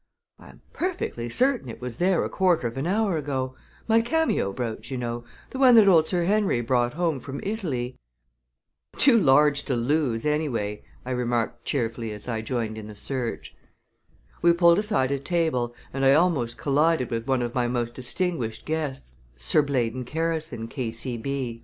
"I am perfectly certain it was there a quarter of an hour ago my cameo brooch, you know, the one that old Sir Henry brought home from Italy." "Too large to lose anyway," I remarked cheerfully as I joined in the search. We pulled aside a table and I almost collided with one of my most distinguished guests Sir Blaydon Harrison, K.C.